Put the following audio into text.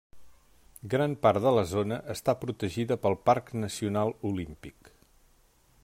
Gran part de la zona està protegida pel Parc Nacional Olímpic.